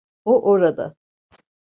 O orada.